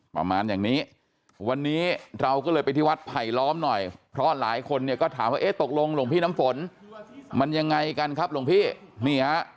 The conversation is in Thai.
ประมาณอย่างนี้วันนี้เราก็เลยไปที่วัดไผลล้อมหน่อยเพราะหลายคนเนี่ยก็ถามว่าเอ๊ะตกลงหลวงพี่น้ำฝนมันยังไงกันครับหลวงพี่นี่ฮะ